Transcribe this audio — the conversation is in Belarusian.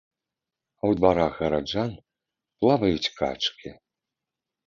А ў дварах гараджан плаваюць качкі.